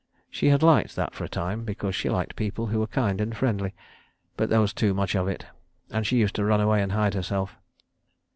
She had liked that for a time, because she liked people who were kind and friendly; but there was too much of it, and she used to run away and hide herself.